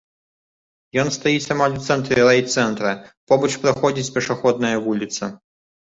Ён стаіць амаль у цэнтры райцэнтра, побач праходзіць пешаходная вуліца.